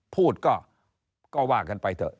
พูดก็ว่ากันไปเถอะ